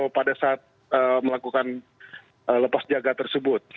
pada saat melakukan lepas jaga tersebut